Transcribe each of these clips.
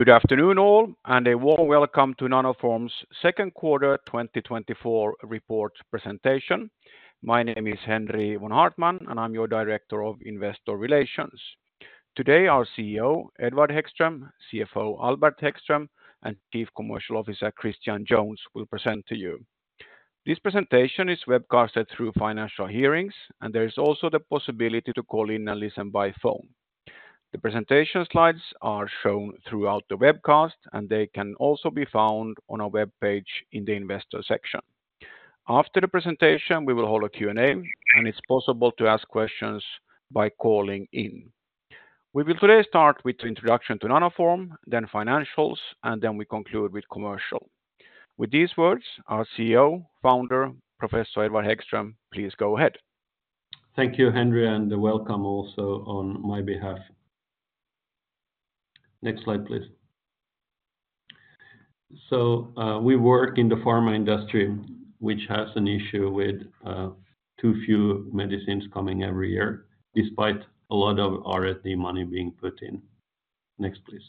Good afternoon, all, and a warm welcome to Nanoform second quarter 2024 report presentation. My name is Henri von Haartman, and I'm your Director of Investor Relations. Today, our CEO, Edward Hæggström, CFO, Albert Hæggström, and Chief Commercial Officer, Christian Jones, will present to you. This presentation is webcasted through Financial Hearings, and there is also the possibility to call in and listen by phone. The presentation slides are shown throughout the webcast, and they can also be found on our webpage in the investor section. After the presentation, we will hold a Q&A, and it's possible to ask questions by calling in. We will today start with the introduction to Nanoform, then financials, and then we conclude with commercial. With these words, our CEO, founder, Professor Edward Hæggström, please go ahead. Thank you, Henri, and welcome also on my behalf. Next slide, please. So, we work in the pharma industry, which has an issue with too few medicines coming every year, despite a lot of R&D money being put in. Next, please.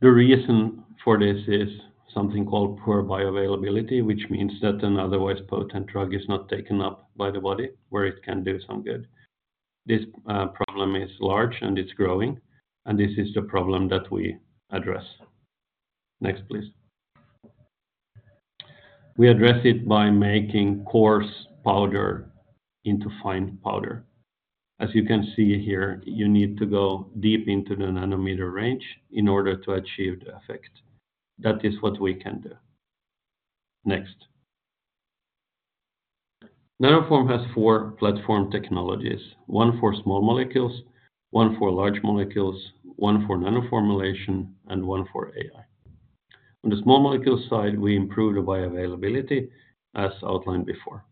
The reason for this is something called poor bioavailability, which means that an otherwise potent drug is not taken up by the body, where it can do some good. This problem is large and it's growing, and this is the problem that we address. Next, please. We address it by making coarse powder into fine powder. As you can see here, you need to go deep into the nanometer range in order to achieve the effect. That is what we can do. Next. Nanoform has four platform technologies, one for small molecules, one for large molecules, one for nanoformulation, and one for AI. On the small molecule side, we improve the bioavailability, as outlined before.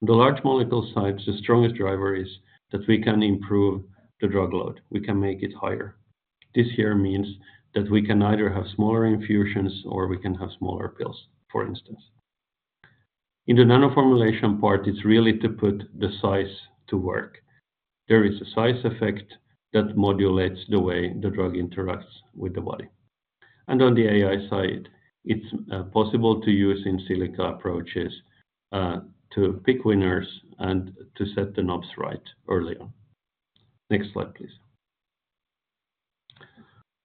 The large molecule side, the strongest driver is that we can improve the drug load, we can make it higher. This here means that we can either have smaller infusions or we can have smaller pills, for instance. In the nanoformulation part, it's really to put the size to work. There is a size effect that modulates the way the drug interacts with the body, and on the AI side, it's possible to use in silico approaches to pick winners and to set the knobs right early on. Next slide, please.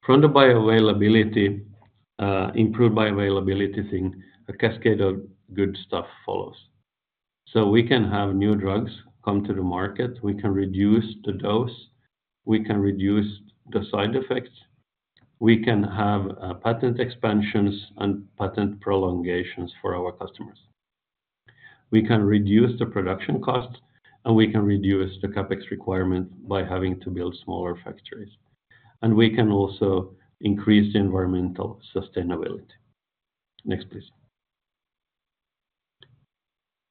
From the bioavailability, improved bioavailability thing, a cascade of good stuff follows. So we can have new drugs come to the market, we can reduce the dose, we can reduce the side effects, we can have patent expansions and patent prolongations for our customers. We can reduce the production cost, and we can reduce the CapEx requirement by having to build smaller factories, and we can also increase the environmental sustainability. Next, please.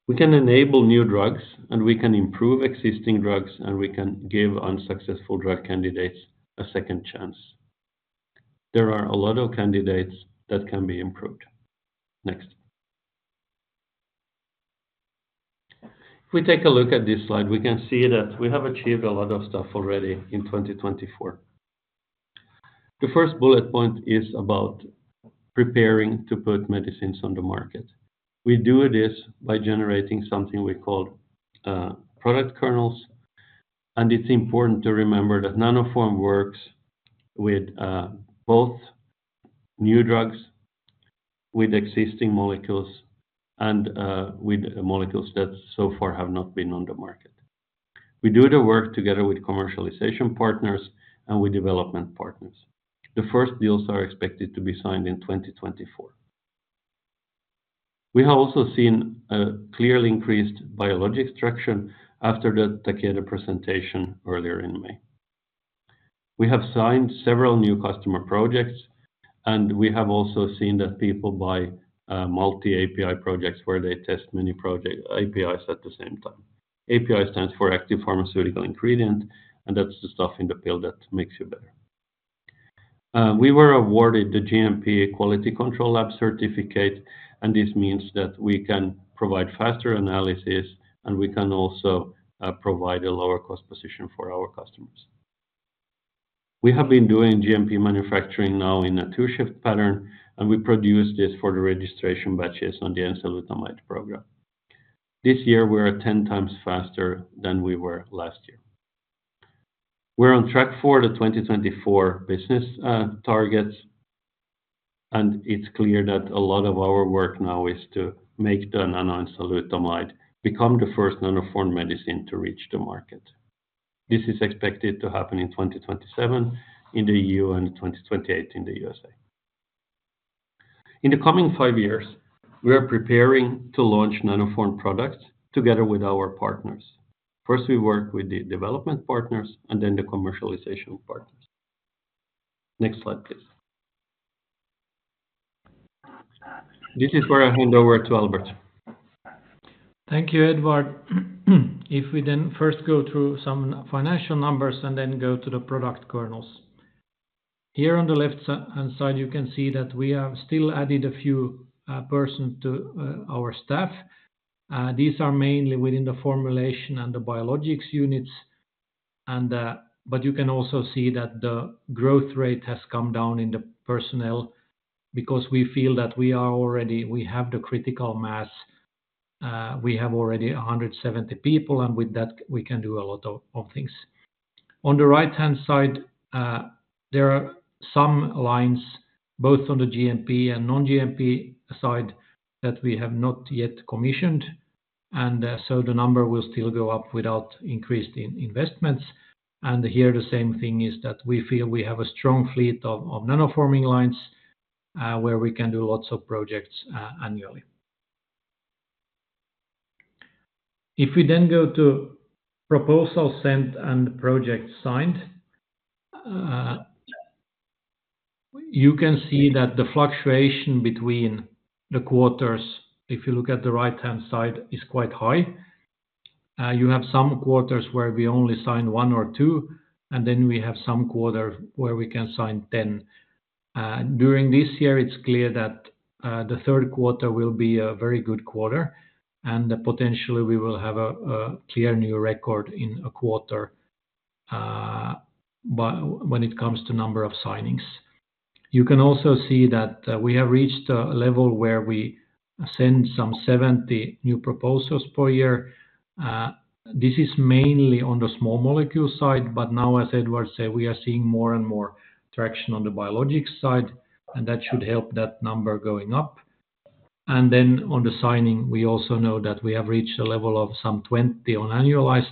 We can enable new drugs, and we can improve existing drugs, and we can give unsuccessful drug candidates a second chance. There are a lot of candidates that can be improved. Next. If we take a look at this slide, we can see that we have achieved a lot of stuff already in 2024. The first bullet point is about preparing to put medicines on the market. We do this by generating something we call product kernels, and it's important to remember that Nanoform works with both new drugs, with existing molecules, and with molecules that so far have not been on the market. We do the work together with commercialization partners and with development partners. The first deals are expected to be signed in twenty twenty-four. We have also seen a clearly increased biologics traction after the Takeda presentation earlier in May. We have signed several new customer projects, and we have also seen that people buy multi-API projects, where they test many project APIs at the same time. API stands for active pharmaceutical ingredient, and that's the stuff in the pill that makes you better. We were awarded the GMP quality control lab certificate, and this means that we can provide faster analysis, and we can also provide a lower cost position for our customers. We have been doing GMP manufacturing now in a two-shift pattern, and we produce this for the registration batches on the enzalutamide program. This year, we're at 10 times faster than we were last year. We're on track for the 2024 business targets, and it's clear that a lot of our work now is to make the nanoenzalutamide become the first Nanoform medicine to reach the market. This is expected to happen in 2027 in the EU and 2028 in the USA. In the coming five years, we are preparing to launch Nanoform products together with our partners. First, we work with the development partners and then the commercialization partners. Next slide, please. This is where I hand over to Albert. Thank you, Edward. If we then first go through some financial numbers and then go to the product kernels.... Here on the left side, you can see that we have still added a few persons to our staff. These are mainly within the formulation and the biologics units, and but you can also see that the growth rate has come down in the personnel because we feel that we are already we have the critical mass, we have already 170 people, and with that, we can do a lot of things. On the right-hand side, there are some lines, both on the GMP and non-GMP side, that we have not yet commissioned, and so the number will still go up without increased in investments. Here, the same thing is that we feel we have a strong fleet of nanoforming lines, where we can do lots of projects annually. If we then go to proposals sent and projects signed, you can see that the fluctuation between the quarters, if you look at the right-hand side, is quite high. You have some quarters where we only sign one or two, and then we have some quarter where we can sign 10. During this year, it's clear that the third quarter will be a very good quarter, and potentially we will have a clear new record in a quarter, but when it comes to number of signings. You can also see that we have reached a level where we send some 70 new proposals per year. This is mainly on the small molecule side, but now, as Edward said, we are seeing more and more traction on the biologics side, and that should help that number going up. And then on the signing, we also know that we have reached a level of some 20 on annualized.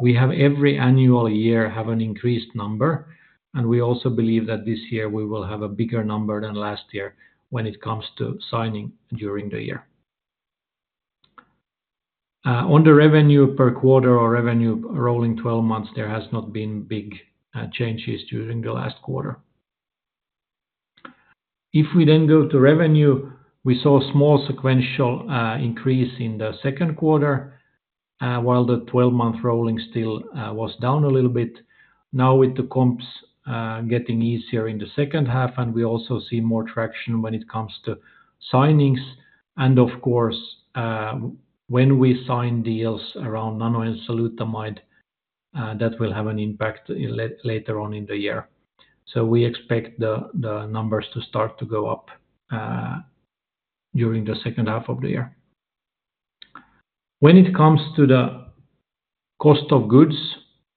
We have every annual year have an increased number, and we also believe that this year we will have a bigger number than last year when it comes to signing during the year. On the revenue per quarter or revenue rolling 12 months, there has not been big changes during the last quarter. If we then go to revenue, we saw a small sequential increase in the second quarter, while the 12-month rolling still was down a little bit. Now, with the comps getting easier in the second half, and we also see more traction when it comes to signings, and of course, when we sign deals around nano and enzalutamide, that will have an impact later on in the year. So we expect the numbers to start to go up during the second half of the year. When it comes to the cost of goods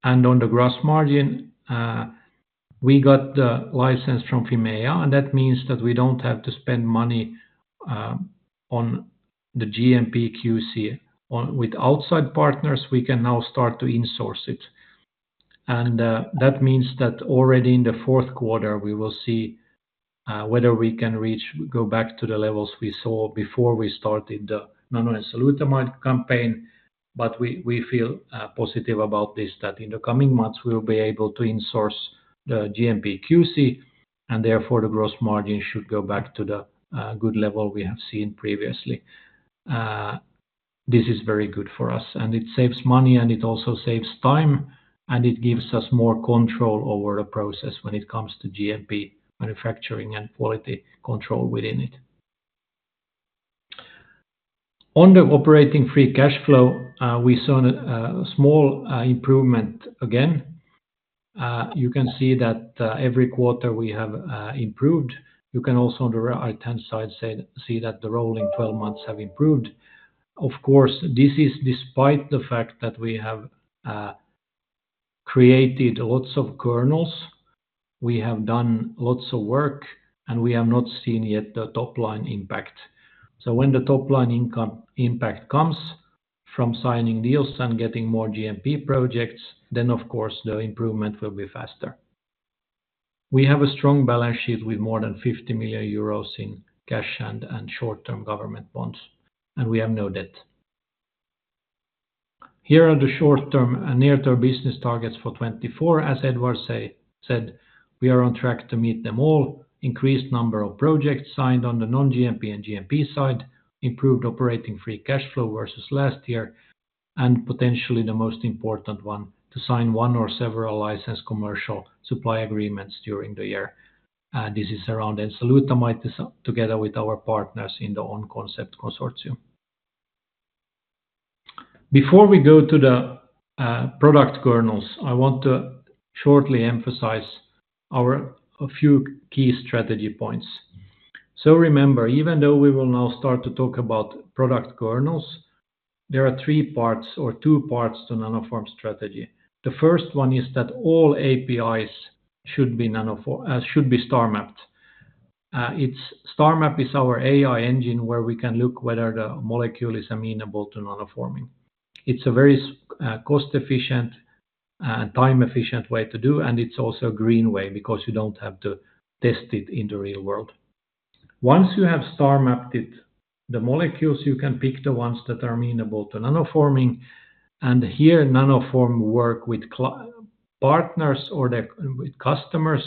and on the gross margin, we got the license from Fimea, and that means that we don't have to spend money on the GMP QC with outside partners. We can now start to insource it. And that means that already in the fourth quarter, we will see whether we can go back to the levels we saw before we started the nano and enzalutamide campaign. But we feel positive about this, that in the coming months, we will be able to insource the GMP QC, and therefore, the gross margin should go back to the good level we have seen previously. This is very good for us, and it saves money, and it also saves time, and it gives us more control over the process when it comes to GMP manufacturing and quality control within it. On the operating free cash flow, we saw a small improvement again. You can see that every quarter we have improved. You can also, on the right-hand side, see that the rolling twelve months have improved. Of course, this is despite the fact that we have created lots of kernels, we have done lots of work, and we have not seen yet the top-line impact. When the top-line income impact comes from signing deals and getting more GMP projects, then, of course, the improvement will be faster. We have a strong balance sheet with more than 50 million euros in cash and short-term government bonds, and we have no debt. Here are the short-term and near-term business targets for 2024. As Edward said, we are on track to meet them all, increased number of projects signed on the non-GMP and GMP side, improved operating free cash flow versus last year, and potentially the most important one, to sign one or several licensed commercial supply agreements during the year. This is around enzalutamide together with our partners in the OnConcept consortium. Before we go to the product kernels, I want to shortly emphasize a few key strategy points. Remember, even though we will now start to talk about product kernels, there are three parts or two parts to Nanoform strategy. The first one is that all APIs should be Star MAPped. StarMAP is our AI engine, where we can look whether the molecule is amenable to nanoforming. It's a very, cost-efficient and time-efficient way to do, and it's also a green way because you don't have to test it in the real world. Once you have StarMAPped it, the molecules, you can pick the ones that are amenable to nanoforming, and here, Nanoform work with partners or with customers,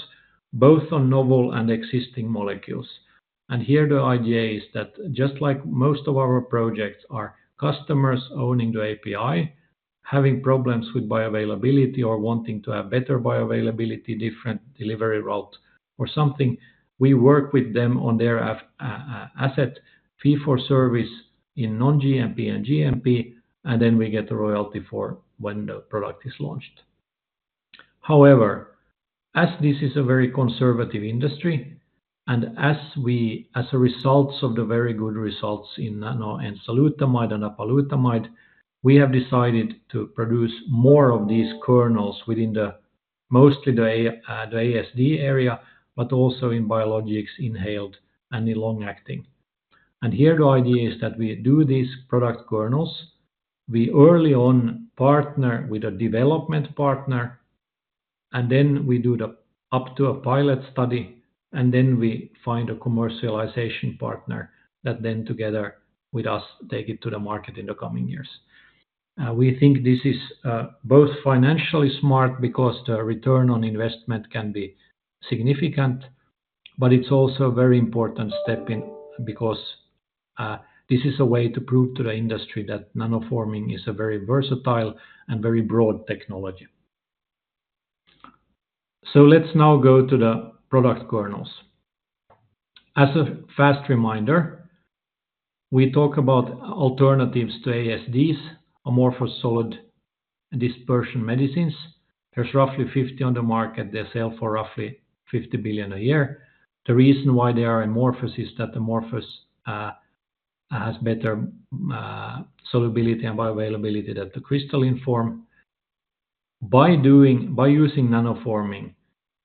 both on novel and existing molecules. And here, the idea is that just like most of our projects are customers owning the API-... having problems with bioavailability or wanting to have better bioavailability, different delivery route or something, we work with them on their API asset fee for service in non-GMP and GMP, and then we get the royalty for when the product is launched. However, as this is a very conservative industry, and as a result of the very good results in nanoenzalutamide and apalutamide, we have decided to produce more of these kernels within, mostly the ASD area, but also in biologics, inhaled, and in long-acting. And here the idea is that we do these product kernels. We early on partner with a development partner, and then we do the up to a pilot study, and then we find a commercialization partner that then together with us, take it to the market in the coming years. We think this is both financially smart because the return on investment can be significant, but it's also a very important step because this is a way to prove to the industry that nanoforming is a very versatile and very broad technology. So let's now go to the product kernels. As a fast reminder, we talk about alternatives to ASDs, amorphous solid dispersion medicines. There's roughly 50 on the market. They sell for roughly 50 billion a year. The reason why they are amorphous is that amorphous has better solubility and bioavailability than the crystalline form. By using nanoforming,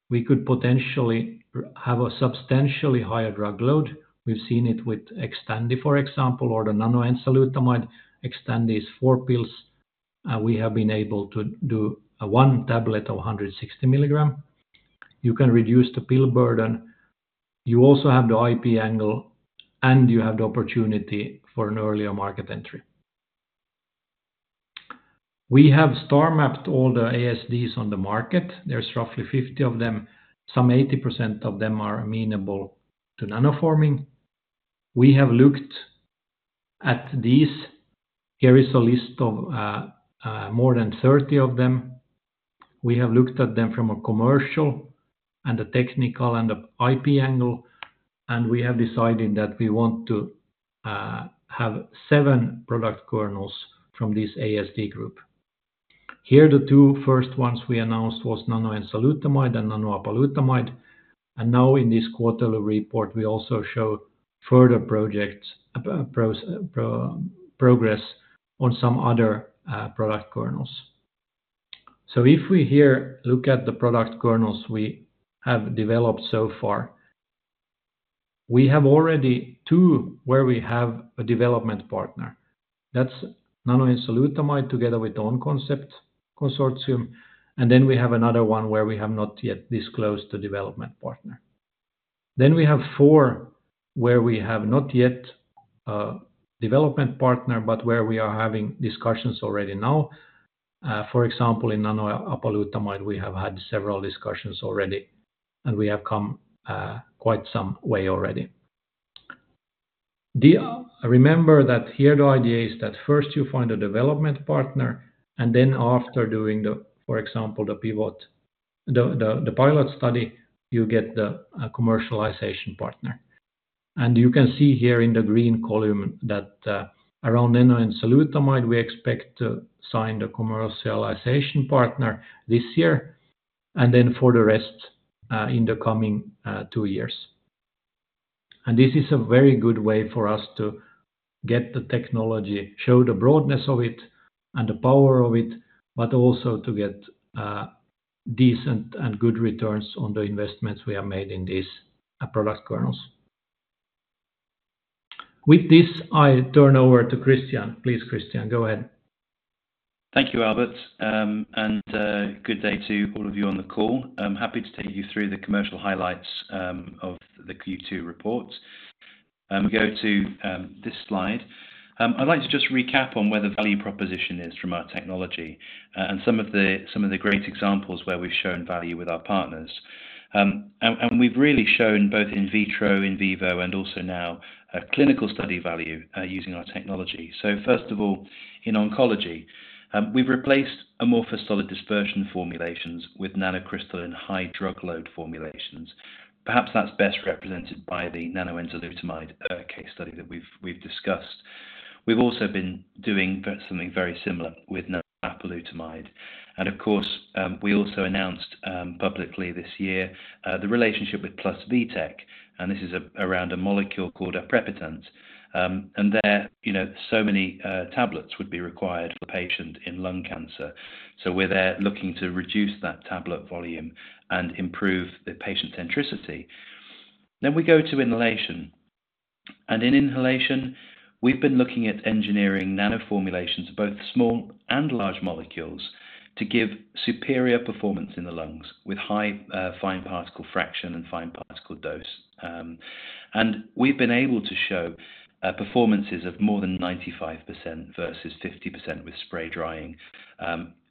we could potentially have a substantially higher drug load. We've seen it with Xtandi, for example, or the nanoenzalutamide. Xtandi is four pills, and we have been able to do a one tablet of a 160 milligram. You can reduce the pill burden, you also have the IP angle, and you have the opportunity for an earlier market entry. We have star mapped all the ASDs on the market. There's roughly 50 of them. Some 80% of them are amenable to nanoforming. We have looked at these. Here is a list of more than 30 of them. We have looked at them from a commercial and a technical and a IP angle, and we have decided that we want to have seven product kernels from this ASD group. Here, the two first ones we announced was nanoenzalutamide and nanoapalutamide, and now in this quarterly report, we also show further projects, progress on some other product kernels. If we here look at the product kernels we have developed so far, we have already two where we have a development partner. That's nanoenzalutamide together with ONConcept Consortium, and then we have another one where we have not yet disclosed the development partner. Then we have four, where we have not yet a development partner, but where we are having discussions already now. For example, in nanoapalutamide, we have had several discussions already, and we have come quite some way already. Remember that here the idea is that first you find a development partner, and then after doing, for example, the pivot, the pilot study, you get the commercialization partner. And you can see here in the green column that, around nanoenzalutamide, we expect to sign the commercialization partner this year, and then for the rest, in the coming, two years. And this is a very good way for us to get the technology, show the broadness of it and the power of it, but also to get, decent and good returns on the investments we have made in these, product kernels. With this, I turn over to Christian. Please, Christian, go ahead. Thank you, Albert. Good day to all of you on the call. I'm happy to take you through the commercial highlights of the Q2 report. We go to this slide. I'd like to just recap on where the value proposition is from our technology, and some of the great examples where we've shown value with our partners. We've really shown both in vitro, in vivo, and also now a clinical study value using our technology. First of all, in oncology, we've replaced amorphous solid dispersion formulations with nanocrystal and high drug load formulations. Perhaps that's best represented by the nanoenzalutamide case study that we've discussed. We've also been doing something very similar with Nanoapalutamide, and of course, we also announced publicly this year the relationship with PlusVitech, and this is around a molecule called aprepitant. And there, you know, so many tablets would be required for patient in lung cancer. So we're there looking to reduce that tablet volume and improve the patient centricity. Then we go to inhalation, and in inhalation, we've been looking at engineering nano formulations, both small and large molecules, to give superior performance in the lungs with high fine particle fraction and fine particle dose. And we've been able to show performances of more than 95% versus 50% with spray drying.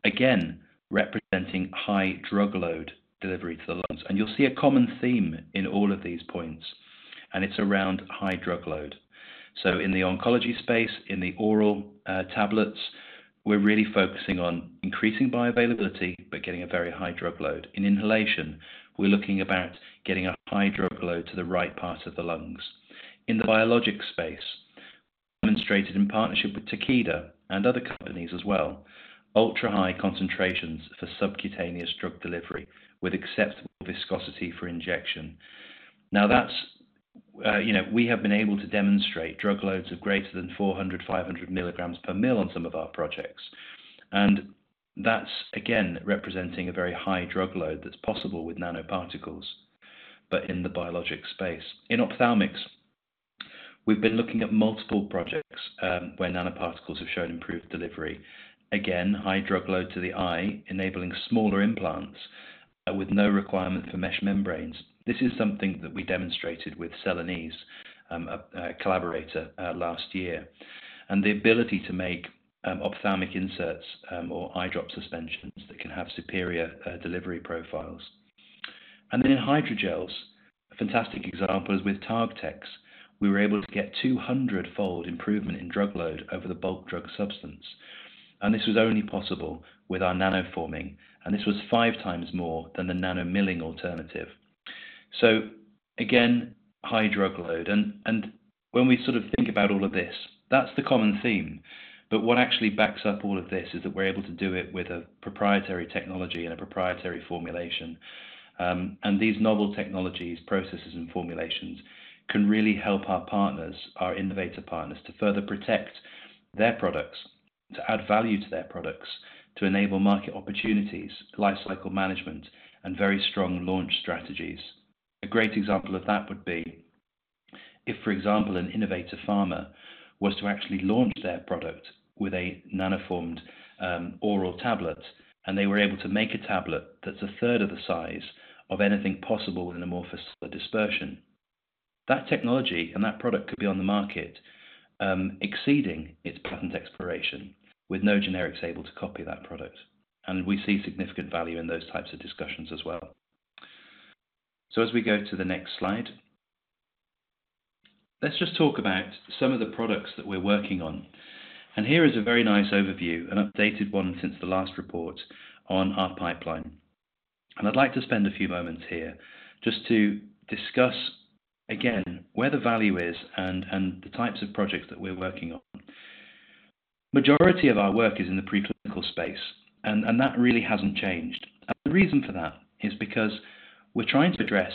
Again, representing high drug load delivery to the lungs, and you'll see a common theme in all of these points. It's around high drug load, so in the oncology space, in the oral tablets, we're really focusing on increasing bioavailability, but getting a very high drug load. In inhalation, we're looking about getting a high drug load to the right part of the lungs. In the biologic space, demonstrated in partnership with Takeda and other companies as well, ultra-high concentrations for subcutaneous drug delivery with acceptable viscosity for injection. Now that's, you know, we have been able to demonstrate drug loads of greater than 400, 500 milligrams per ml on some of our projects, and that's, again, representing a very high drug load that's possible with nanoparticles, but in the biologic space. In ophthalmics, we've been looking at multiple projects, where nanoparticles have shown improved delivery. Again, high drug load to the eye, enabling smaller implants, with no requirement for mesh membranes. This is something that we demonstrated with Celanese, a collaborator, last year, and the ability to make ophthalmic inserts, or eye drop suspensions that can have superior delivery profiles, and then in hydrogels, a fantastic example is with TargTex, we were able to get two hundred-fold improvement in drug load over the bulk drug substance, and this was only possible with our nanoforming, and this was five times more than the nanomilling alternative, so again, high drug load, and when we sort of think about all of this, that's the common theme, but what actually backs up all of this is that we're able to do it with a proprietary technology and a proprietary formulation. and these novel technologies, processes, and formulations can really help our partners, our innovator partners, to further protect their products, to add value to their products, to enable market opportunities, lifecycle management, and very strong launch strategies. A great example of that would be if, for example, an innovator pharma was to actually launch their product with a nanoformed oral tablet, and they were able to make a tablet that's a third of the size of anything possible with an amorphous dispersion. That technology and that product could be on the market, exceeding its patent expiration, with no generics able to copy that product. And we see significant value in those types of discussions as well. So as we go to the next slide, let's just talk about some of the products that we're working on. Here is a very nice overview, an updated one since the last report on our pipeline. I'd like to spend a few moments here just to discuss again, where the value is and the types of projects that we're working on. Majority of our work is in the preclinical space, and that really hasn't changed. The reason for that is because we're trying to address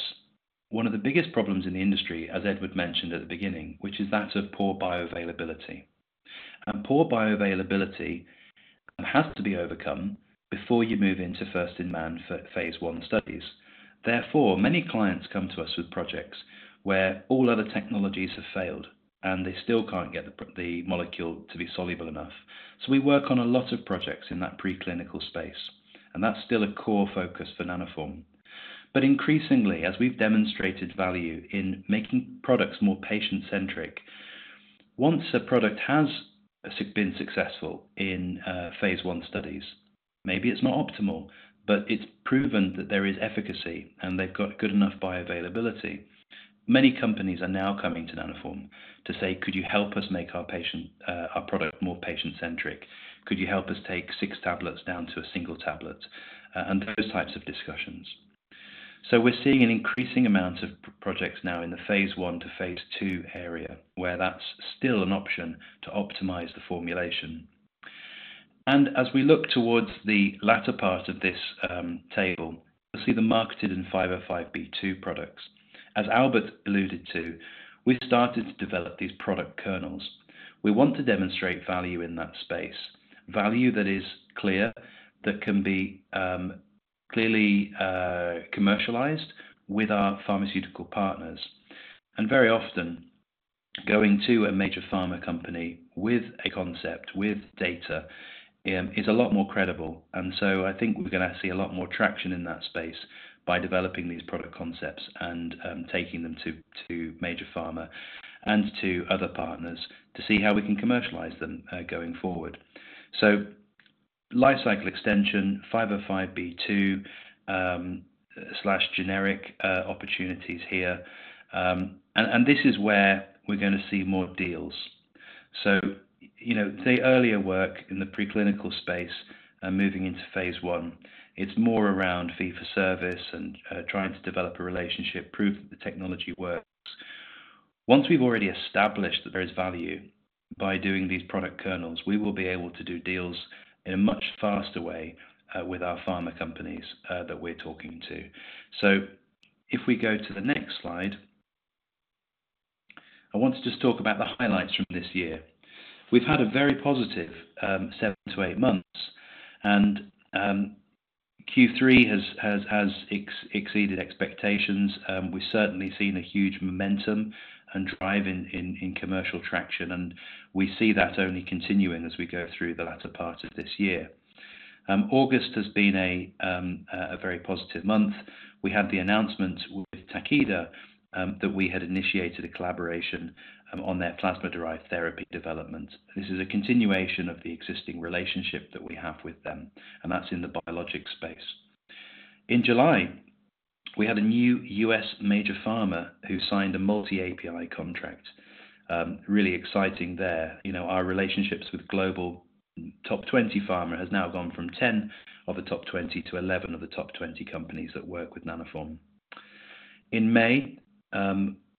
one of the biggest problems in the industry, as Edward mentioned at the beginning, which is that of poor bioavailability. Poor bioavailability has to be overcome before you move into first-in-man phase one studies. Therefore, many clients come to us with projects where all other technologies have failed, and they still can't get the molecule to be soluble enough. So we work on a lot of projects in that preclinical space, and that's still a core focus for Nanoform. But increasingly, as we've demonstrated value in making products more patient-centric, once a product has been successful in phase one studies, maybe it's not optimal, but it's proven that there is efficacy, and they've got good enough bioavailability. Many companies are now coming to Nanoform to say: Could you help us make our patient, our product more patient-centric? Could you help us take six tablets down to a single tablet, and those types of discussions. So we're seeing an increasing amount of projects now in the phase one to phase two area, where that's still an option to optimize the formulation. And as we look towards the latter part of this table, you'll see the marketed in 505 products. As Albert alluded to, we've started to develop these product kernels. We want to demonstrate value in that space. Value that is clear, that can be clearly commercialized with our pharmaceutical partners, and very often going to a major pharma company with a concept, with data is a lot more credible, and so I think we're gonna see a lot more traction in that space by developing these product concepts and taking them to major pharma and to other partners to see how we can commercialize them going forward, so lifecycle extension, 505 slash generic opportunities here, and this is where we're gonna see more deals, so you know, the earlier work in the preclinical space and moving into phase one, it's more around fee for service and trying to develop a relationship, prove that the technology works. Once we've already established that there is value by doing these product kernels, we will be able to do deals in a much faster way with our pharma companies that we're talking to. So if we go to the next slide, I want to just talk about the highlights from this year. We've had a very positive seven to eight months, and Q3 has exceeded expectations. We've certainly seen a huge momentum and drive in commercial traction, and we see that only continuing as we go through the latter part of this year. August has been a very positive month. We had the announcement with Takeda that we had initiated a collaboration on their plasma-derived therapy development. This is a continuation of the existing relationship that we have with them, and that's in the biologic space. In July, we had a new U.S. major pharma who signed a multi-API contract. Really exciting there. You know, our relationships with global top 20 pharma has now gone from 10 of the top 20 to 11 of the top 20 companies that work with Nanoform. In May,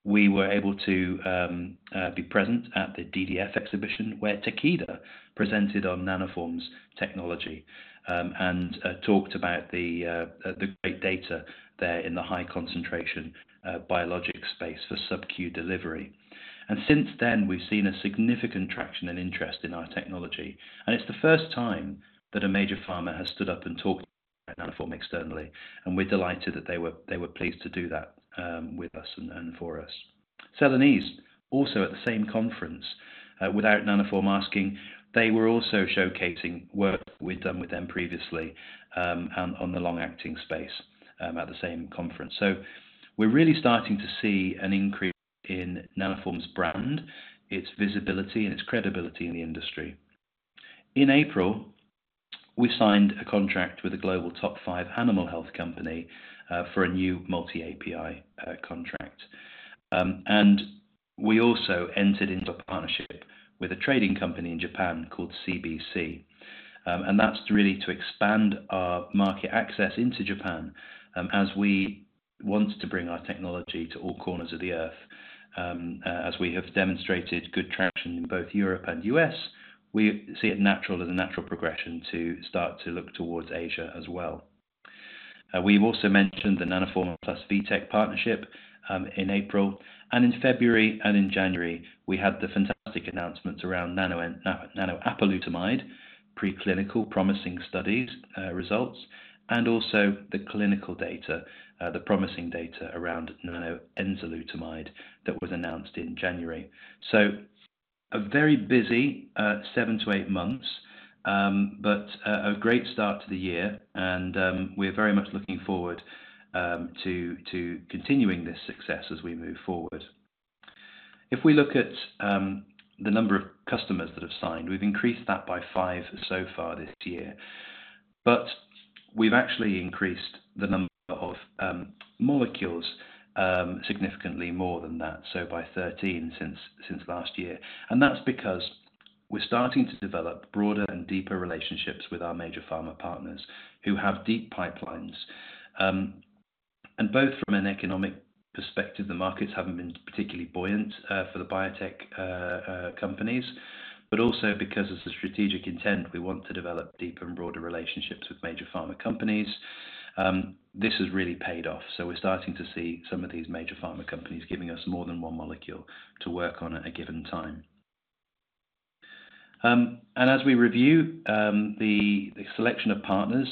we were able to be present at the DDF exhibition, where Takeda presented on Nanoform's technology, and talked about the great data there in the high concentration biologic space for sub-Q delivery. Since then, we've seen a significant traction and interest in our technology, and it's the first time that a major pharma has stood up and talked about Nanoform externally, and we're delighted that they were, they were pleased to do that, with us and, and for us. Celanese, also at the same conference, without Nanoform asking, they were also showcasing work we've done with them previously, and on the long-acting space, at the same conference. We're really starting to see an increase in Nanoform's brand, its visibility, and its credibility in the industry. In April, we signed a contract with a global top five animal health company, for a new multi-API, contract. And we also entered into a partnership with a trading company in Japan called CBC. And that's really to expand our market access into Japan, as we want to bring our technology to all corners of the earth. As we have demonstrated good traction in both Europe and U.S., we see it natural as a natural progression to start to look towards Asia as well. We've also mentioned the Nanoform Plusvitech partnership in April, and in February and in January, we had the fantastic announcements around Nanoapalutamide, preclinical promising studies, results, and also the clinical data, the promising data around Nanoenzalutamide that was announced in January, a very busy seven to eight months, but a great start to the year and, we're very much looking forward to continuing this success as we move forward. If we look at the number of customers that have signed, we've increased that by five so far this year, but we've actually increased the number of molecules significantly more than that, so by 13 since last year, and that's because we're starting to develop broader and deeper relationships with our major pharma partners who have deep pipelines, and both from an economic perspective, the markets haven't been particularly buoyant for the biotech companies, but also because of the strategic intent, we want to develop deeper and broader relationships with major pharma companies. This has really paid off, so we're starting to see some of these major pharma companies giving us more than one molecule to work on at a given time. And as we review the selection of partners,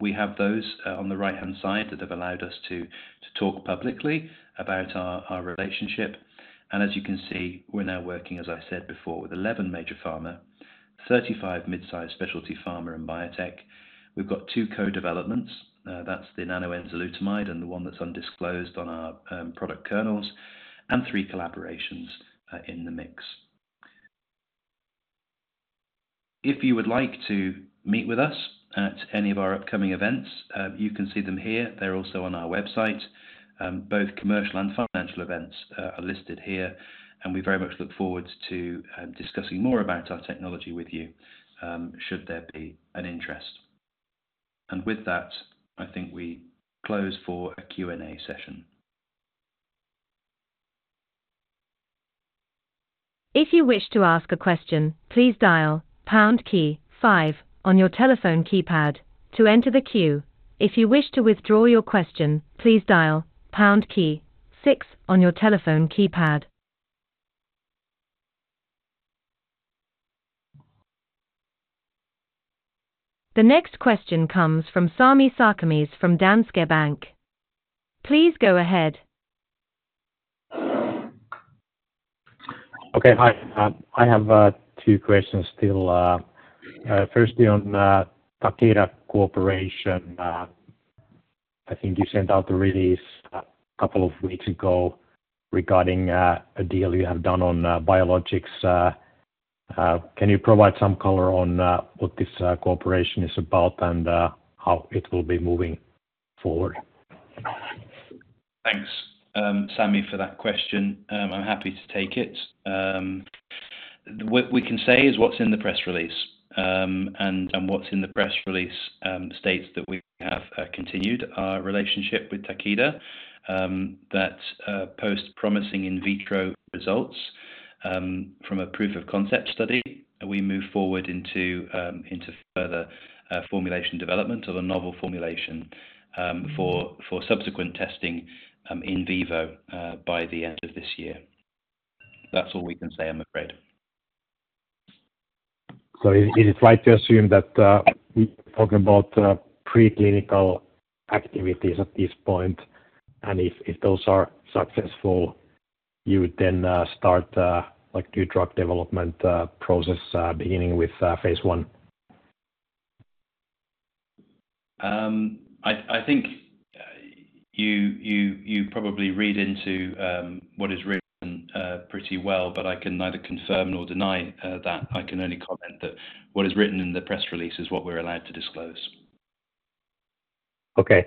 we have those on the right-hand side that have allowed us to talk publicly about our relationship. And as you can see, we're now working, as I said before, with 11 major pharma, 35 mid-size specialty pharma and biotech. We've got 2 co-developments, that's the nanoenzalutamide and the one that's undisclosed on our product kernels, and 3 collaborations in the mix. If you would like to meet with us at any of our upcoming events, you can see them here. They're also on our website. Both commercial and financial events are listed here, and we very much look forward to discussing more about our technology with you, should there be an interest. And with that, I think we close for a Q&A session. If you wish to ask a question, please dial pound key five on your telephone keypad to enter the queue. If you wish to withdraw your question, please dial pound key six on your telephone keypad. The next question comes from Sami Sarkamies from Danske Bank. Please go ahead. Okay, hi. I have two questions still. Firstly, on Takeda cooperation. I think you sent out the release a couple of weeks ago regarding a deal you have done on biologics. Can you provide some color on what this cooperation is about and how it will be moving forward? Thanks, Sami, for that question. I'm happy to take it. What we can say is what's in the press release, and what's in the press release states that we have continued our relationship with Takeda. That, following promising in vitro results from a proof of concept study, we move forward into further formulation development of a novel formulation for subsequent testing in vivo by the end of this year. That's all we can say, I'm afraid. So is it right to assume that we're talking about preclinical activities at this point, and if those are successful, you would then start like new drug development process beginning with phase one? I think you probably read into what is written pretty well, but I can neither confirm nor deny that. I can only comment that what is written in the press release is what we're allowed to disclose. Okay,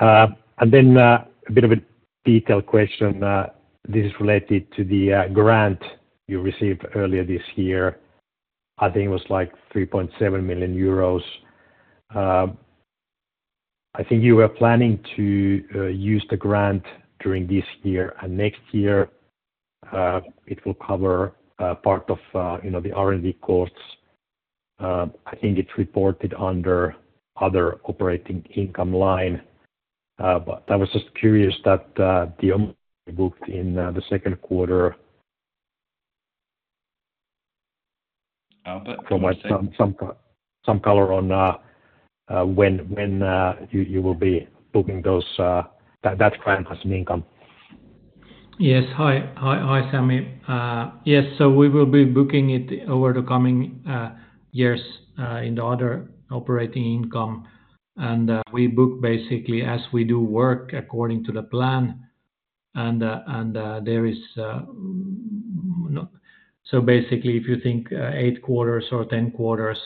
and then a bit of a detailed question. This is related to the grant you received earlier this year. I think it was like 3.7 million euros. I think you were planning to use the grant during this year and next year. It will cover part of, you know, the R&D costs. I think it's reported under other operating income line. But I was just curious about the amount booked in the second quarter. Uh, but- Provide some color on when you will be booking that grant as an income. Yes. Hi, hi, hi, Sami. Yes, so we will be booking it over the coming years in the other operating income. And we book basically as we do work according to the plan, and there is. So basically, if you think eight quarters or 10 quarters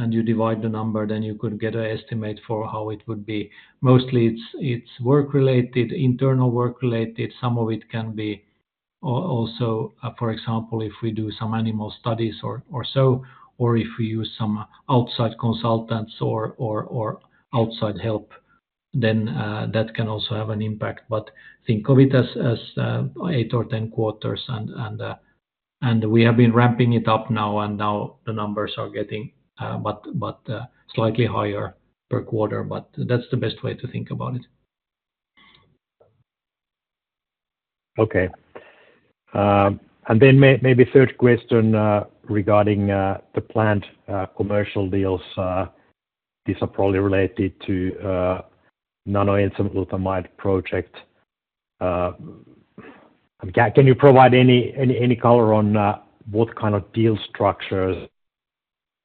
and you divide the number, then you could get an estimate for how it would be. Mostly it's work-related, internal work-related. Some of it can be also, for example, if we do some animal studies or so, or if we use some outside consultants or outside help, then that can also have an impact. But think of it as eight or 10 quarters, and we have been ramping it up now, and now the numbers are getting but slightly higher per quarter. But that's the best way to think about it. Okay. And then maybe third question, regarding the planned commercial deals. These are probably related to the nanoenzalutamide project. Can you provide any color on what kind of deal structures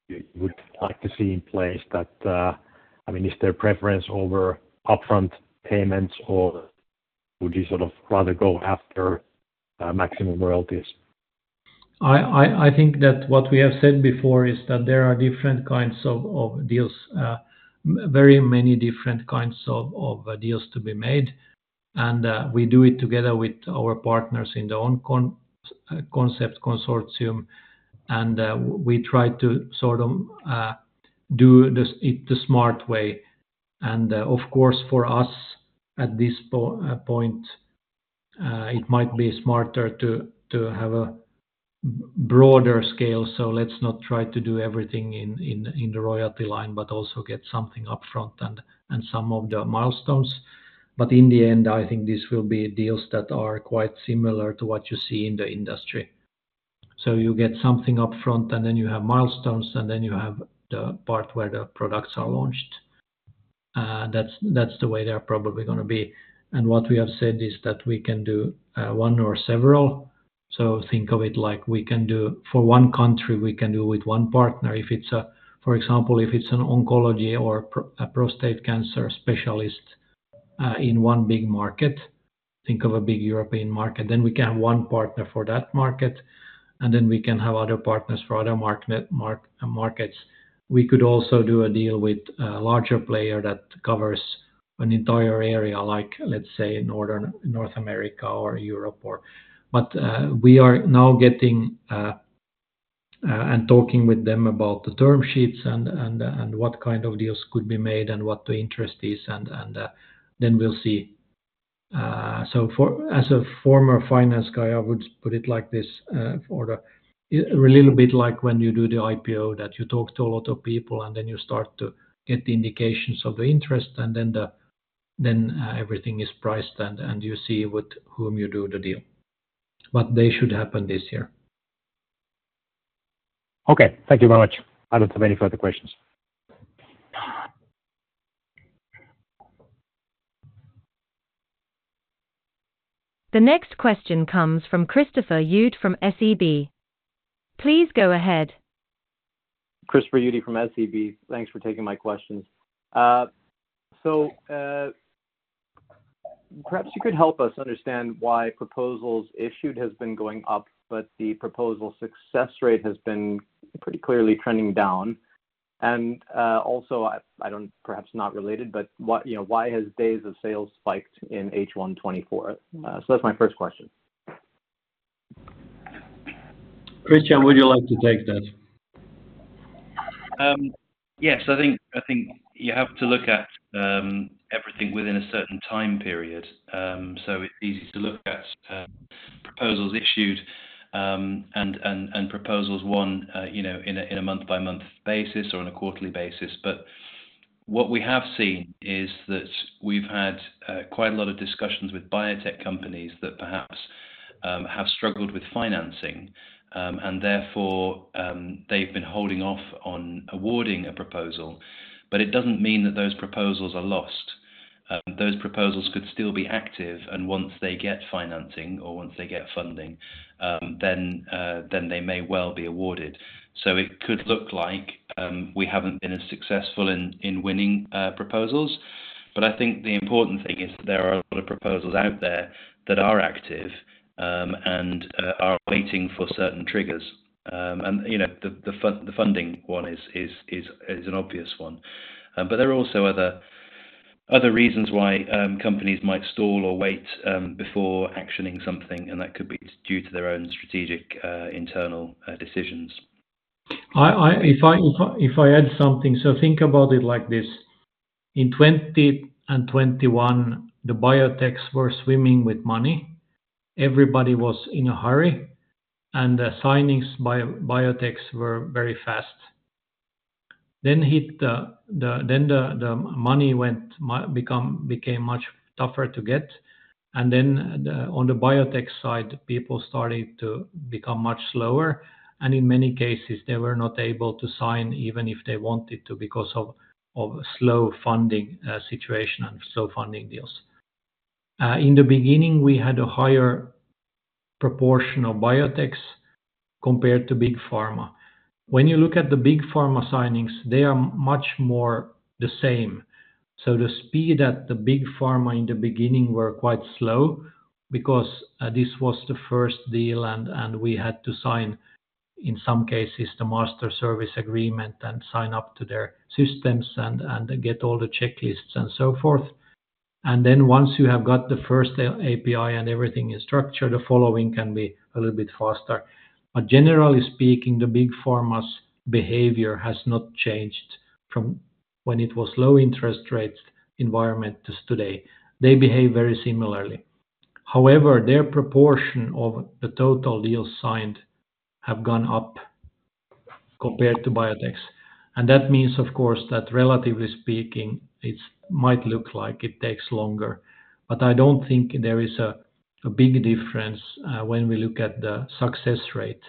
you would like to see in place that I mean, is there preference over upfront payments, or would you sort of rather go after maximum royalties? I think that what we have said before is that there are different kinds of deals, very many different kinds of deals to be made, and we do it together with our partners in the OnConcept consortium, and we try to sort of do it the smart way. Of course, for us, at this point, it might be smarter to have a broader scale, so let's not try to do everything in the royalty line, but also get something upfront and some of the milestones. In the end, I think this will be deals that are quite similar to what you see in the industry. You get something upfront, and then you have milestones, and then you have the part where the products are launched. That's the way they are probably gonna be. And what we have said is that we can do one or several. So think of it like we can do for one country, we can do with one partner. If it's for example, if it's an oncology or prostate cancer specialist in one big market, think of a big European market, then we can have one partner for that market, and then we can have other partners for other markets. We could also do a deal with a larger player that covers an entire area, like, let's say, North America or Europe or. But we are now getting and talking with them about the term sheets and what kind of deals could be made and what the interest is, and then we'll see. So as a former finance guy, I would put it like this, for the... A little bit like when you do the IPO, that you talk to a lot of people, and then you start to get the indications of the interest, and then everything is priced and you see with whom you do the deal. But they should happen this year. Okay. Thank you very much. I don't have any further questions. The next question comes from Christopher Uhde from SEB. Please go ahead. Christopher Uhde from SEB, thanks for taking my questions. So, perhaps you could help us understand why proposals issued has been going up, but the proposal success rate has been pretty clearly trending down. And also, perhaps not related, but what, you know, why has days of sales spiked in H1 2024? So that's my first question. Christian, would you like to take that? Yes, I think you have to look at everything within a certain time period. So it's easy to look at proposals issued and proposals won, you know, on a month-by-month basis or on a quarterly basis. But what we have seen is that we've had quite a lot of discussions with biotech companies that perhaps have struggled with financing and therefore they've been holding off on awarding a proposal, but it doesn't mean that those proposals are lost. Those proposals could still be active, and once they get financing or once they get funding, then they may well be awarded. So it could look like we haven't been as successful in winning proposals. But I think the important thing is that there are a lot of proposals out there that are active and are waiting for certain triggers. And you know, the funding one is an obvious one. But there are also other reasons why companies might stall or wait before actioning something, and that could be due to their own strategic internal decisions. If I add something, so think about it like this: in 2021, the biotechs were swimming with money. Everybody was in a hurry, and the signings by biotechs were very fast. Then the money became much tougher to get, and then, on the biotech side, people started to become much slower, and in many cases, they were not able to sign even if they wanted to, because of slow funding situation and slow funding deals. In the beginning, we had a higher proportion of biotechs compared to big pharma. When you look at the big pharma signings, they are much more the same. So the speed at the big pharma in the beginning were quite slow because this was the first deal, and we had to sign, in some cases, the master service agreement and sign up to their systems and get all the checklists and so forth. And then once you have got the first API and everything is structured, the following can be a little bit faster. But generally speaking, the big pharma's behavior has not changed from when it was low interest rates environment to today. They behave very similarly. However, their proportion of the total deals signed have gone up compared to biotechs, and that means, of course, that relatively speaking, it might look like it takes longer, but I don't think there is a big difference when we look at the success rate.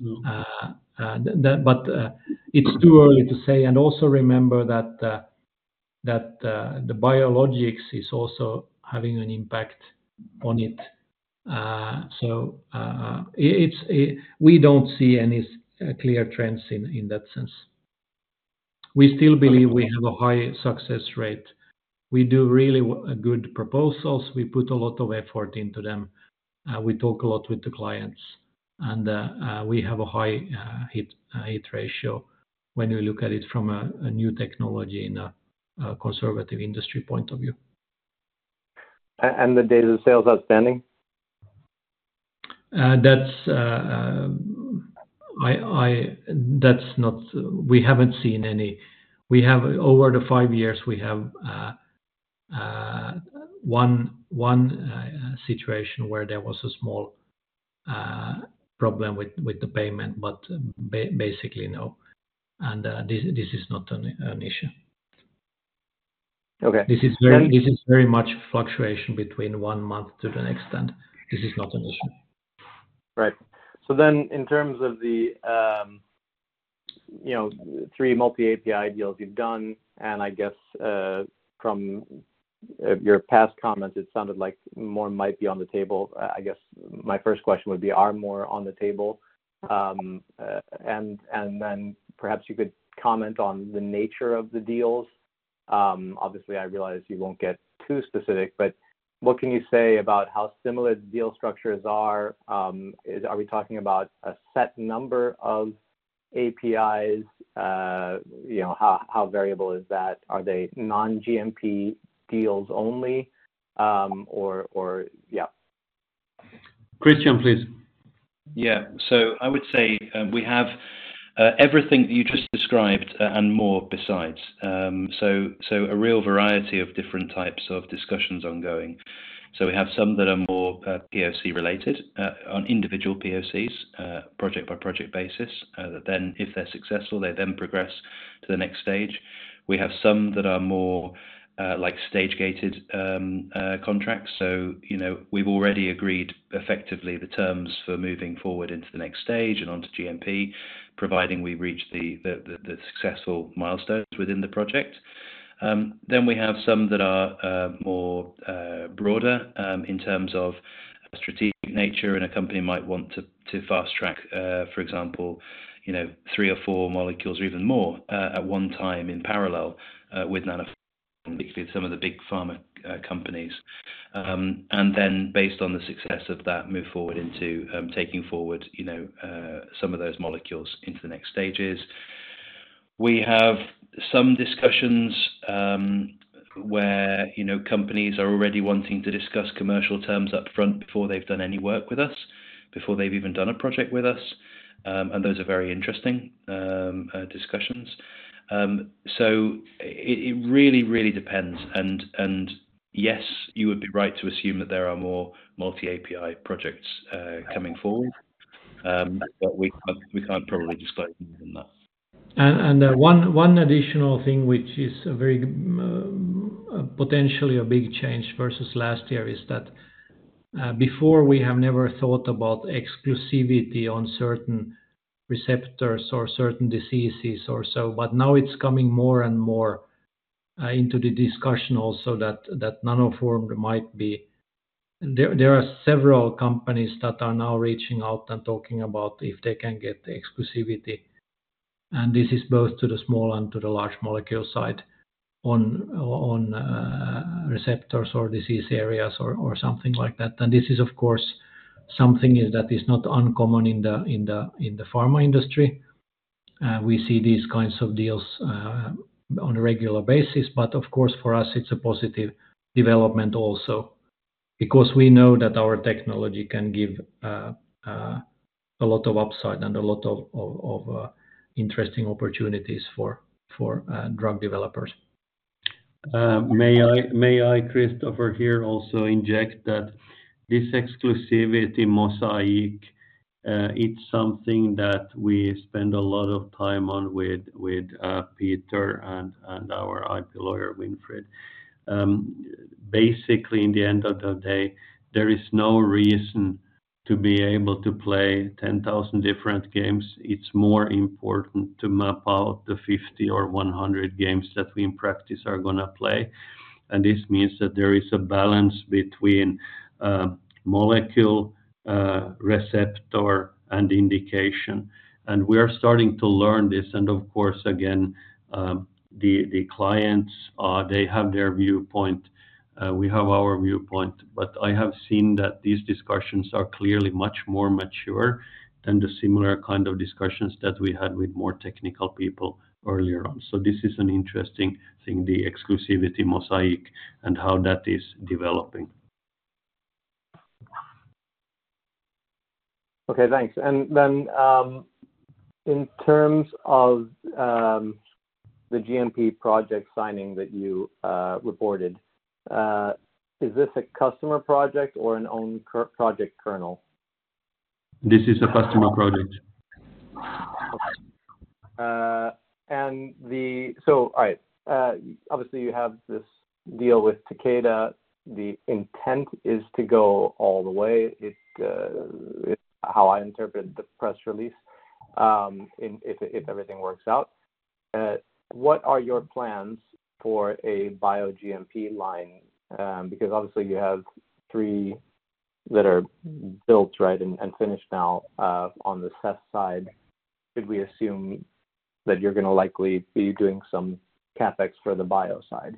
Mm. But it's too early to say. And also remember that the biologics is also having an impact on it. So we don't see any clear trends in that sense. We still believe we have a high success rate. We do really good proposals. We put a lot of effort into them, we talk a lot with the clients, and we have a high hit ratio when we look at it from a new technology in a conservative industry point of view. And the days sales outstanding? That's not. We haven't seen any. We have over the five years we have one situation where there was a small problem with the payment, but basically no. And this is not an issue. Okay. This is very- And- This is very much fluctuation between one month to the next, and this is not an issue. Right. So then in terms of the, you know, three multi-API deals you've done, and I guess, from, your past comments, it sounded like more might be on the table. I guess my first question would be, are more on the table? And then perhaps you could comment on the nature of the deals. Obviously, I realize you won't get too specific, but what can you say about how similar the deal structures are? Are we talking about a set number of APIs? You know, how variable is that? Are they non-GMP deals only, or... Yeah. Christian, please. Yeah. So I would say we have everything you just described and more besides. So a real variety of different types of discussions ongoing. So we have some that are more POC related on individual POCs project-by-project basis that then if they're successful they then progress to the next stage. We have some that are more like stage-gated contracts. So you know we've already agreed effectively the terms for moving forward into the next stage and onto GMP providing we reach the successful milestones within the project. Then we have some that are more broader in terms of strategic nature and a company might want to fast track for example you know three or four molecules or even more at one time in parallel with Nano... Some of the big pharma companies, and then based on the success of that, move forward into taking forward, you know, some of those molecules into the next stages. We have some discussions where, you know, companies are already wanting to discuss commercial terms up front before they've done any work with us, before they've even done a project with us, and those are very interesting discussions, so it really, really depends, and yes, you would be right to assume that there are more multi-API projects coming forward, but we can't probably disclose more than that. One additional thing, which is a very potentially a big change versus last year, is that before we have never thought about exclusivity on certain receptors or certain diseases or so, but now it's coming more and more into the discussion also that Nanoform might be. There are several companies that are now reaching out and talking about if they can get exclusivity, and this is both to the small and to the large molecule side on receptors or disease areas or something like that. This is, of course, something that is not uncommon in the pharma industry. We see these kinds of deals on a regular basis, but of course, for us, it's a positive development also, because we know that our technology can give a lot of upside and a lot of interesting opportunities for drug developers. May I, Christopher, here also inject that this exclusivity mosaic, it's something that we spend a lot of time on with Peter and our IP lawyer, Winfried. Basically, in the end of the day, there is no reason to be able to play 10,000 different games. It's more important to map out the 50 or 100 games that we in practice are gonna play. And this means that there is a balance between molecule, receptor, and indication, and we are starting to learn this. And of course, again, the clients, they have their viewpoint, we have our viewpoint. But I have seen that these discussions are clearly much more mature than the similar kind of discussions that we had with more technical people earlier on. This is an interesting thing, the exclusivity mosaic and how that is developing. Okay, thanks. And then, in terms of the GMP project signing that you reported, is this a customer project or an own project kernel? This is a customer project. So all right, obviously, you have this deal with Takeda. The intent is to go all the way. It's how I interpreted the press release, if everything works out. What are your plans for a bio GMP line? Because obviously you have three that are built right and finished now, on the CESS side. Could we assume that you're gonna likely be doing some CapEx for the bio side?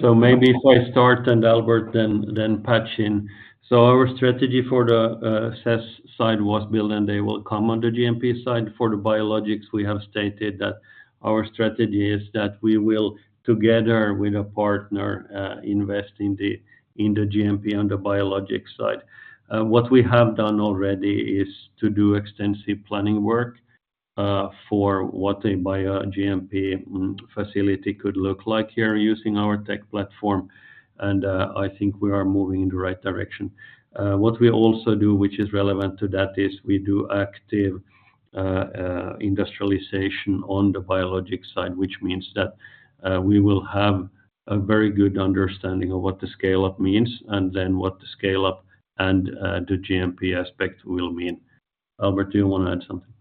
Maybe if I start, and Albert, then patch in. Our strategy for the CESS side was build, and they will come on the GMP side. For the biologics, we have stated that our strategy is that we will, together with a partner, invest in the GMP on the biologic side. What we have done already is to do extensive planning work for what a bio GMP facility could look like here using our tech platform, and I think we are moving in the right direction. What we also do, which is relevant to that, is we do active industrialization on the biologic side, which means that we will have a very good understanding of what the scale-up means, and then what the scale-up and the GMP aspect will mean. Albert, do you want to add something?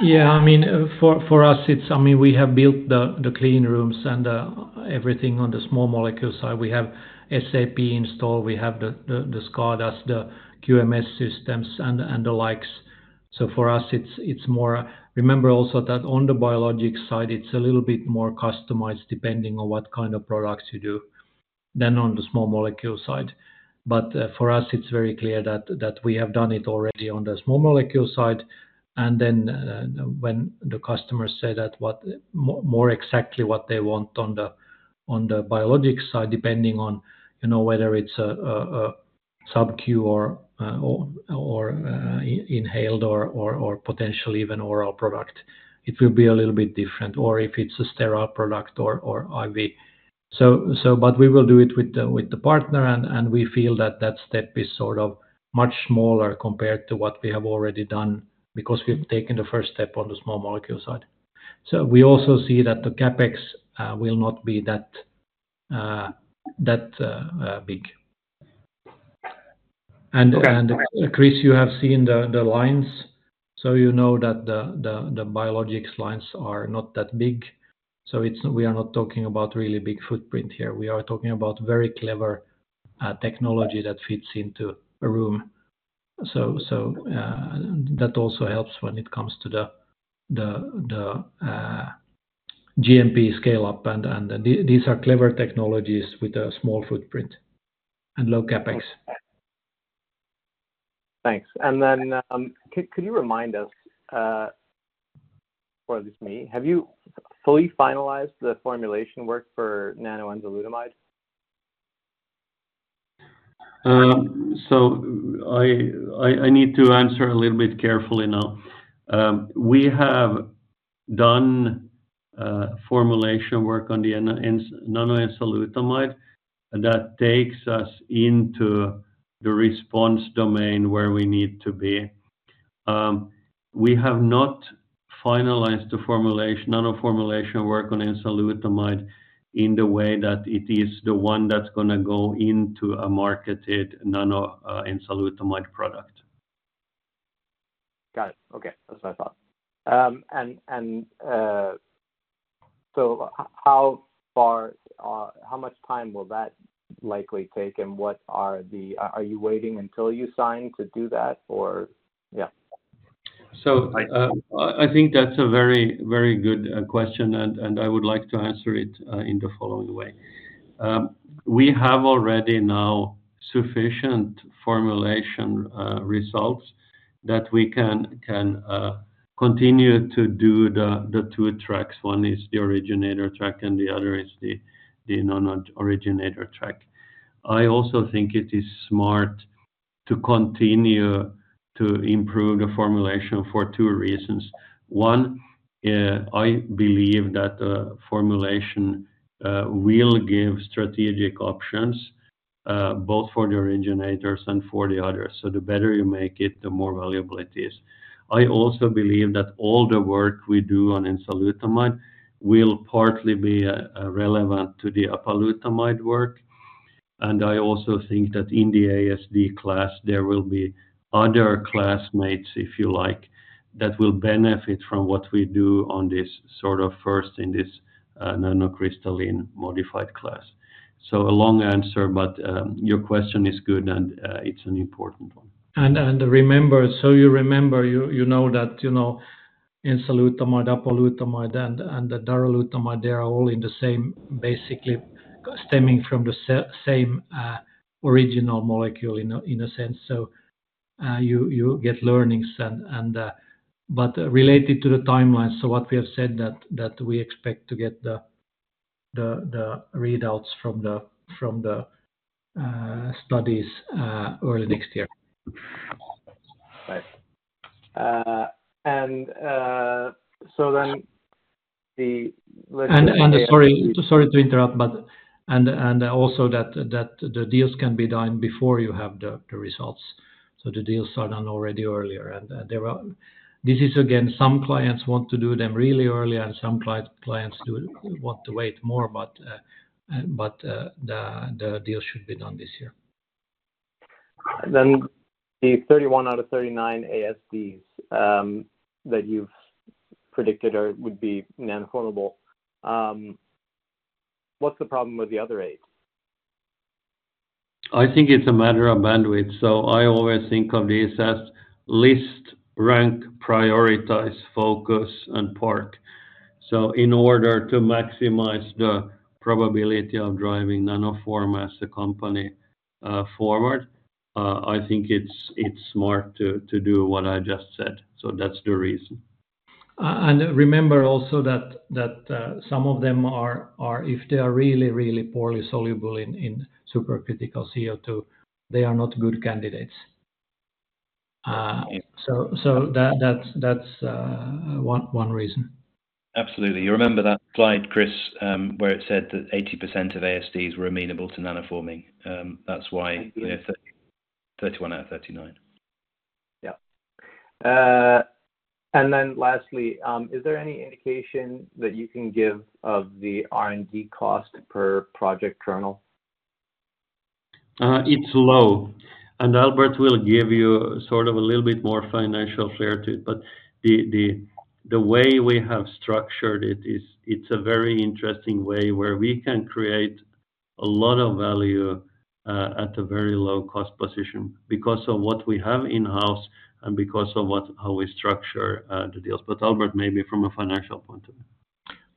Yeah, I mean, for us, it's I mean, we have built the clean rooms and everything on the small molecule side. We have SAP installed, we have the SCADAs, the QMS systems, and the likes. So for us, it's more... Remember also that on the biologic side, it's a little bit more customized, depending on what kind of products you do than on the small molecule side. But for us, it's very clear that we have done it already on the small molecule side, and then when the customers say that what more exactly what they want on the biologic side, depending on, you know, whether it's a subq or inhaled or potentially even oral product, it will be a little bit different or if it's a sterile product or IV. But we will do it with the partner, and we feel that that step is sort of much smaller compared to what we have already done because we've taken the first step on the small molecule side. So we also see that the CapEx will not be that big. And- Okay. Chris, you have seen the lines, so you know that the biologics lines are not that big. We are not talking about really big footprint here. We are talking about very clever technology that fits into a room. That also helps when it comes to the GMP scale-up, and these are clever technologies with a small footprint and low CapEx. Thanks. And then, could you remind us, or just me, have you fully finalized the formulation work for nanoenzalutamide? I need to answer a little bit carefully now. We have done formulation work on the nanoenzalutamide. That takes us into the response domain where we need to be. We have not finalized the formulation, nanoformulation work on enzalutamide in the way that it is the one that's gonna go into a marketed nanoenzalutamide product. Got it. Okay, that's what I thought. So how far, how much time will that likely take? And what are you waiting until you sign to do that or? Yeah. So, I think that's a very, very good question, and I would like to answer it in the following way. We have already now sufficient formulation results that we can continue to do the two tracks. One is the originator track, and the other is the non-originator track. I also think it is smart to continue to improve the formulation for two reasons. One, I believe that formulation will give strategic options both for the originators and for the others, so the better you make it, the more valuable it is. I also believe that all the work we do on enzalutamide will partly be relevant to the apalutamide work. And I also think that in the ASD class, there will be other classmates, if you like, that will benefit from what we do on this sort of first in this, nanocrystalline modified class. So a long answer, but, your question is good, and, it's an important one. And remember, so you remember, you know that, you know, enzalutamide, apalutamide, and the darolutamide, they are all in the same basically stemming from the same original molecule in a sense. You get learnings and. But related to the timelines, what we have said is that we expect to get the readouts from the studies early next year. Right. And so then the- Sorry to interrupt, but also that the deals can be done before you have the results. So the deals are done already earlier, and this is again, some clients want to do them really early, and some clients do want to wait more, but the deal should be done this year. Then the thirty-one out of thirty-nine ASDs that you've predicted or would be nano-formable, what's the problem with the other eight? I think it's a matter of bandwidth, so I always think of this as list, rank, prioritize, focus, and park. So in order to maximize the probability of driving Nanoform as a company forward, I think it's smart to do what I just said. So that's the reason. And remember also that some of them are. If they are really, really poorly soluble in supercritical CO2, they are not good candidates. Yeah. So that's one reason. Absolutely. You remember that slide, Chris, where it said that 80% of ASDs were amenable to nanoforming? That's why- Mm-hmm... 31 out of 39. Yeah. And then lastly, is there any indication that you can give of the R&D cost per project kernel? It's low, and Albert will give you sort of a little bit more financial flair to it, but the way we have structured it is, it's a very interesting way where we can create a lot of value at a very low cost position because of what we have in-house and because of what, how we structure the deals. But Albert, maybe from a financial point of view.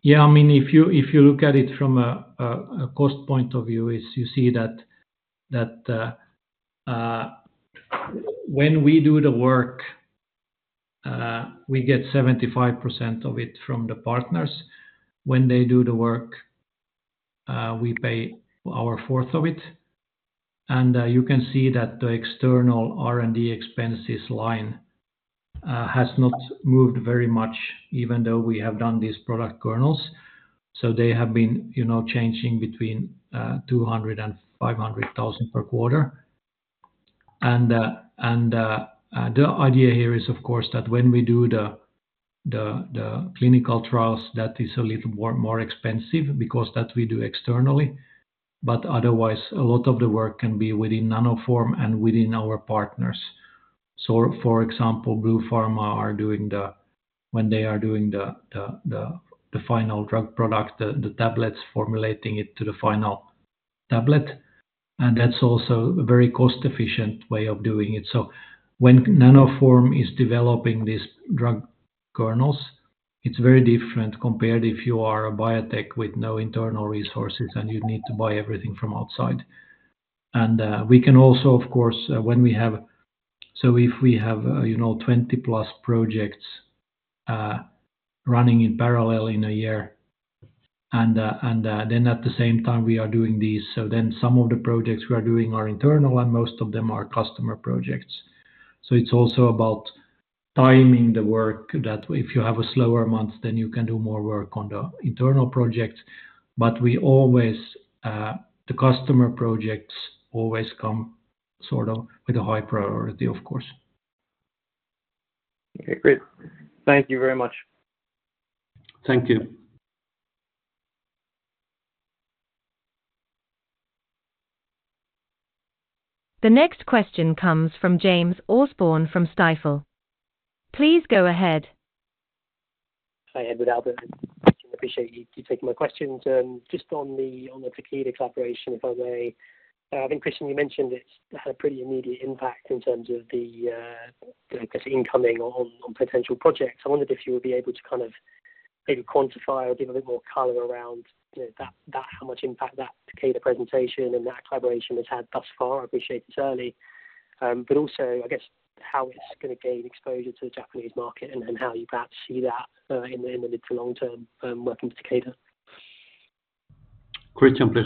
Yeah, I mean, if you look at it from a cost point of view, you see that when we do the work, we get 75% of it from the partners. When they do the work, we pay our fourth of it, and you can see that the external R&D expenses line has not moved very much even though we have done these product kernels. So they have been, you know, changing between 200,000 and 500,000 per quarter. And the idea here is, of course, that when we do the clinical trials, that is a little more expensive because that we do externally. But otherwise, a lot of the work can be within Nanoform and within our partners. So for example, Bluepharma are doing the when they are doing the final drug product, the tablets, formulating it to the final tablet, and that's also a very cost-efficient way of doing it. So when Nanoform is developing these product kernels, it's very different compared if you are a biotech with no internal resources, and you need to buy everything from outside. And we can also, of course, when we have. So if we have, you know, twenty-plus projects running in parallel in a year, and then at the same time we are doing these, so then some of the projects we are doing are internal, and most of them are customer projects. So it's also about timing the work, that if you have a slower month, then you can do more work on the internal projects. But we always, the customer projects always come sort of with a high priority, of course. Okay, great. Thank you very much. Thank you. The next question comes from James Osborne from Stifel. Please go ahead. Hi, Edward, Albert. I appreciate you taking my questions. Just on the Takeda collaboration, if I may. I think, Christian, you mentioned it's had a pretty immediate impact in terms of the incoming on potential projects. I wondered if you would be able to kind of maybe quantify or give a bit more color around, you know, that how much impact that Takeda presentation and that collaboration has had thus far. I appreciate it's early. But also, I guess, how it's gonna gain exposure to the Japanese market and how you perhaps see that in the mid to long term working with Takeda? Christian, please.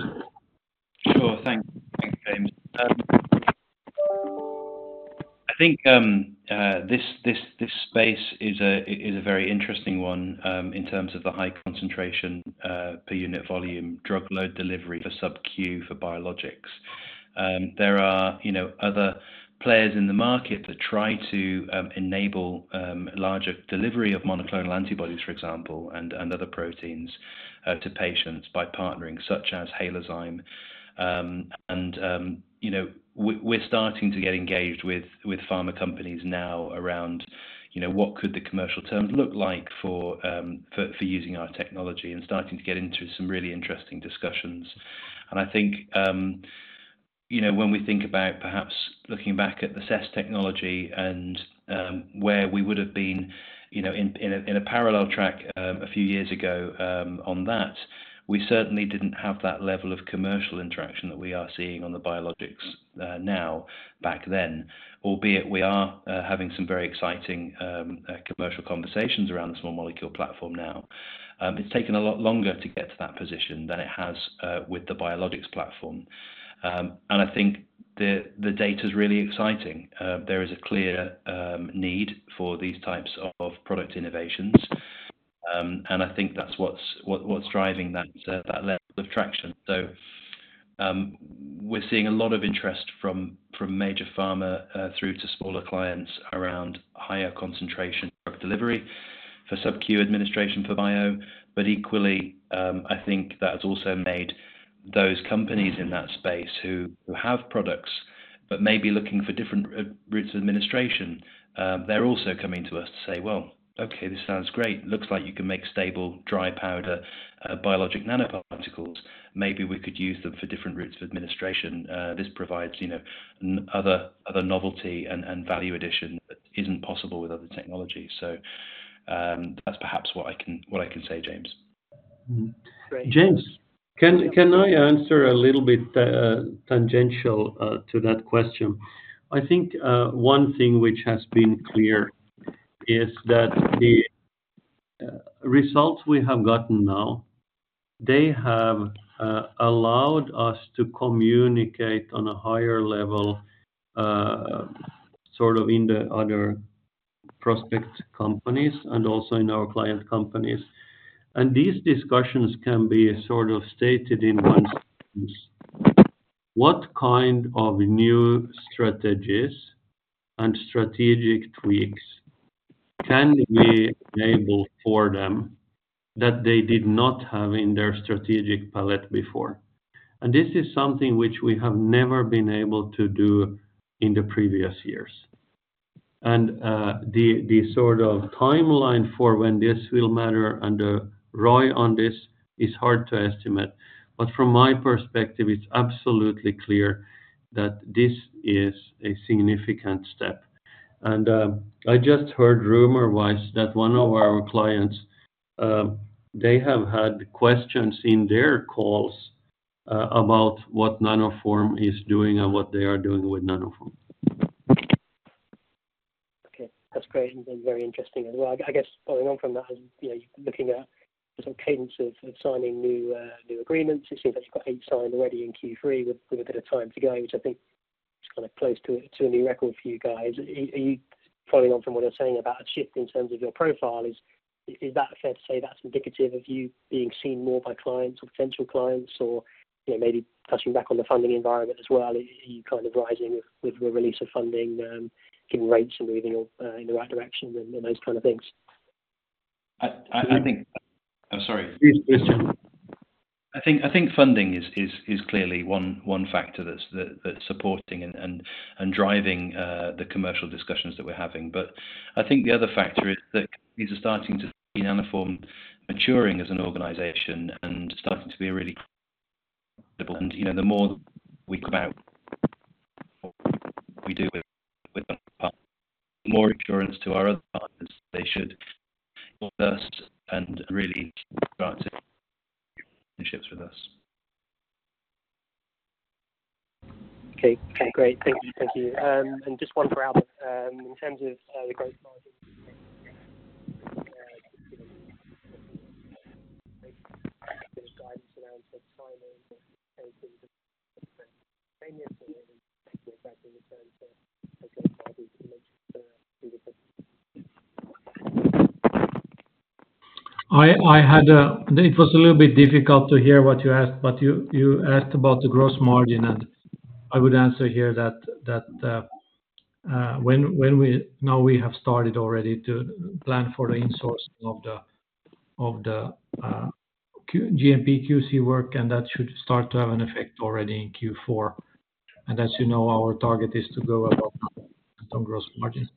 Sure. Thanks. Thanks, James. I think this space is a very interesting one in terms of the high concentration per unit volume drug load delivery for sub Q for biologics. There are, you know, other players in the market that try to enable larger delivery of monoclonal antibodies, for example, and other proteins to patients by partnering, such as Halozyme. And, you know, we're starting to get engaged with pharma companies now around, you know, what could the commercial terms look like for using our technology and starting to get into some really interesting discussions. And I think, you know, when we think about perhaps looking back at the CESS technology and, where we would have been, you know, in a parallel track, a few years ago, on that, we certainly didn't have that level of commercial interaction that we are seeing on the biologics now. Back then, albeit we are having some very exciting commercial conversations around the small molecule platform now. It's taken a lot longer to get to that position than it has with the biologics platform. And I think the data's really exciting. There is a clear need for these types of product innovations, and I think that's what's driving that level of traction. So, we're seeing a lot of interest from major pharma through to smaller clients around higher concentration of delivery for sub-Q administration for bio. But equally, I think that has also made those companies in that space who have products but may be looking for different routes of administration. They're also coming to us to say, "Well, okay, this sounds great. Looks like you can make stable, dry powder biologic nanoparticles. Maybe we could use them for different routes of administration." This provides, you know, other novelty and value addition that isn't possible with other technologies. So, that's perhaps what I can say, James. Hmm. Great. James, can I answer a little bit tangential to that question? I think one thing which has been clear is that the results we have gotten now, they have allowed us to communicate on a higher level sort of in the other prospect companies and also in our client companies. And these discussions can be sort of stated in one sentence: What kind of new strategies and strategic tweaks can we enable for them that they did not have in their strategic palette before? And this is something which we have never been able to do in the previous years. And the sort of timeline for when this will matter and the ROI on this is hard to estimate, but from my perspective, it's absolutely clear that this is a significant step. I just heard rumor-wise that one of our clients, they have had questions in their calls about what Nanoform is doing and what they are doing with Nanoform. Okay, that's great and very interesting as well. I guess following on from that, as you know, looking at some cadence of signing new agreements, it seems that you've got eight signed already in Q3 with a bit of time to go, which I think is kinda close to a new record for you guys. Are you... Following on from what you're saying about a shift in terms of your profile, is that fair to say that's indicative of you being seen more by clients or potential clients, or, you know, maybe touching back on the funding environment as well, are you kind of rising with the release of funding, giving rates are moving in the right direction and those kind of things? I think... I'm sorry. Please, go on. I think funding is clearly one factor that's supporting and driving the commercial discussions that we're having. But I think the other factor is that these are starting to see Nanoform maturing as an organization and starting to be a really, and you know, the more we come out, the more assurance to our other partners, they should go first and really start partnerships with us. Okay. Great. Thank you. Thank you. And just one for Albert. In terms of the gross margin guidance around the timing of anything- I had. It was a little bit difficult to hear what you asked, but you asked about the gross margin, and I would answer here that when we now have started already to plan for the insourcing of the GMP QC work, and that should start to have an effect already in Q4. And as you know, our target is to go above on gross margin.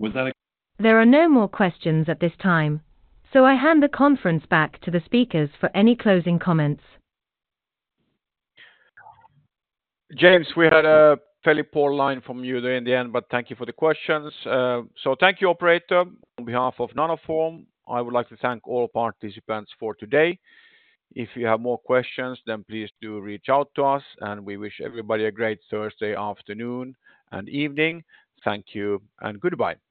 Was that- There are no more questions at this time, so I hand the conference back to the speakers for any closing comments. James, we had a fairly poor line from you there in the end, but thank you for the questions. So thank you, operator. On behalf of Nanoform, I would like to thank all participants for today. If you have more questions, then please do reach out to us, and we wish everybody a great Thursday afternoon and evening. Thank you and goodbye.